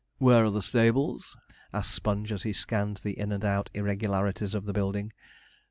'Where are the stables?' asked Sponge, as he scanned the in and out irregularities of the building.